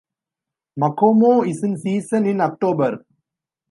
Makomo is in season in October.